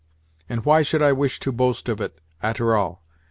And why should I wish to boast of it a'ter all?